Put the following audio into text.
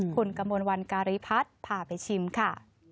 คุณกระมวลวันการีพัฒน์พาไปชิมค่ะ